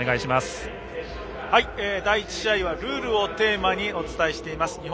第１試合はルールをテーマにお伝えしています。